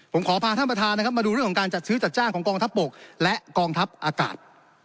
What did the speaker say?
ผมขอพาท่านประธานนะครับมาดูเรื่องของการจัดซื้อจัดจ้างของกองทัพบกและกองทัพอากาศ